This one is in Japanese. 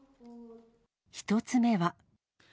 １つ目は。